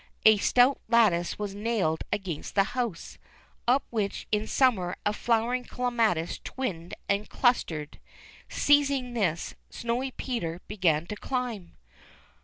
A stout lattice was nailed against the house, up which in summer a flowering clematis twined and clustered. Seizing this, Snowy Peter began to climb